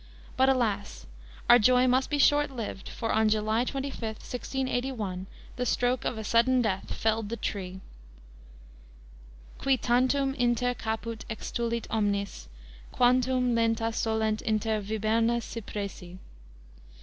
But, alas! our joy must be short lived, for on July 25, 1681, the stroke of a sudden death felled the tree, "Qui tantum inter caput extulit omnes Quantum lenta solent inter viberna cypressi.